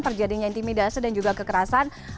terjadinya intimidasi dan juga kekerasan